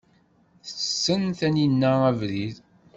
Tessen Taninna abrid?